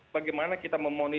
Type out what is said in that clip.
bagaimana kita memonitor